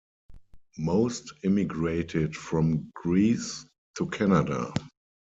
Most immigrated from Greece to Canada.